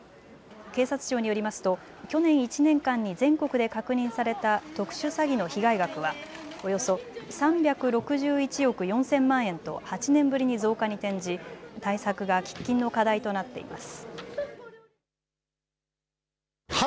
警察庁によりますと去年１年間に全国で確認された特殊詐欺の被害額はおよそ３６１億４０００万円と８年ぶりに増加に転じ対策が喫緊の課題となっています。